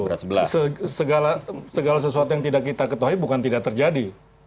segala sesuatu yang tidak kita ketahui bukan tidak terjadi